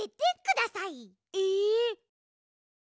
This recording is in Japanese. え？